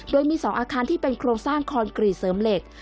โดยมี๒อาคารที่เป็นโครงสร้างคอนกรีตเสริมเหล็ก